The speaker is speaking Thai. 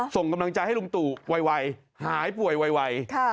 ส่งกำลังใจให้ลุงตู่ไวหายป่วยไว